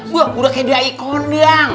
wah udah kayak dia ikon yang